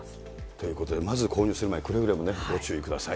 ということで、まず購入する前、くれぐれもご注意ください。